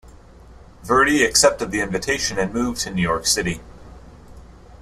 Verdy accepted the invitation and moved to New York City.